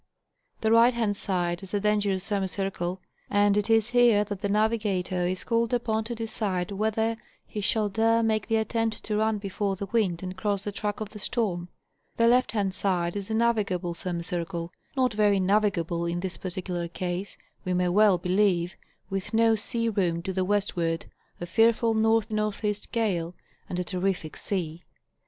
The right hand side is the dangerous semicircle, and it is here that the navigator is called upon to decide whether he shall dare make the attempt to run before the wind and cross the track of the storm ; the left hand side is the navigable semicircle,—not very navigable in this particular case, we may well believe, with no sea room to the westward, a fearful N NE. gale, and a terrific sea.